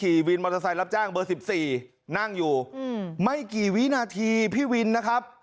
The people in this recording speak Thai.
วินมอเตอร์ไซค์รับจ้างเบอร์๑๔นั่งอยู่ไม่กี่วินาทีพี่วินนะครับ